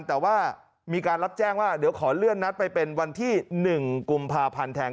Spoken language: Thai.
แต่ว่ามีการรับแจ้งว่าเดี๋ยวขอเลื่อนนัดไปเป็นวันที่๑กุมภาพันธ์แทน